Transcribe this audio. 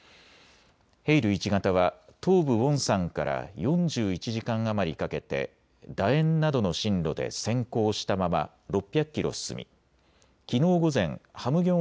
ヘイル１型は東部ウォンサンから４１時間余りかけてだ円などの針路で潜航したまま６００キロ進み、きのう午前、ハムギョン